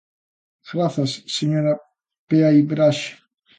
Grazas, señora Peai Braxe.